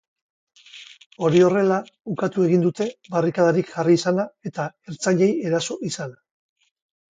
Hori horrela, ukatu egin dute barrikadarik jarri izana eta ertzainei eraso izana.